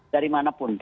dari mana pun